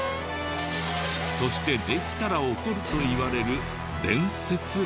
そしてできたら起こるといわれる伝説とは。